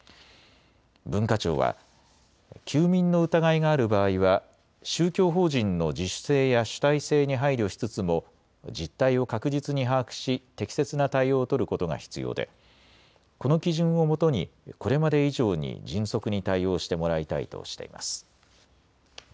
文化庁は休眠の疑いがある場合は宗教法人の自主性や主体性に配慮しつつも実態を確実に把握し適切な対応を取ることが必要でこの基準をもとにこれまで以上にに迅速に対応してもらいたいとしています。